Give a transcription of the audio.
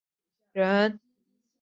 直隶曲周县人。